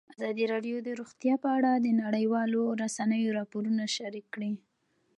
ازادي راډیو د روغتیا په اړه د نړیوالو رسنیو راپورونه شریک کړي.